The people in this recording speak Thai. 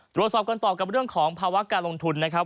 ตรวจสอบกันต่อกับเรื่องของภาวะการลงทุนนะครับ